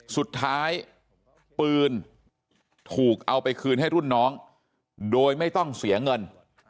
สุดท้ายปืนถูกเอาไปคืนให้รุ่นน้องโดยไม่ต้องเสียเงิน